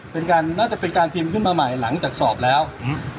เป็นการน่าจะเป็นการพิมพ์ขึ้นมาใหม่หลังจากสอบแล้วอืม